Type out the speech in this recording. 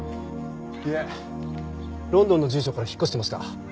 いえロンドンの住所から引っ越してました。